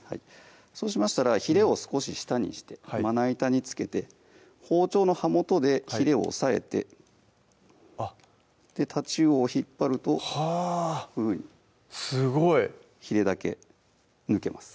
そうしましたらひれを少し下にしてまな板に付けて包丁の刃元でひれを押さえてたちうおを引っ張るとはぁすごいひれだけ抜けます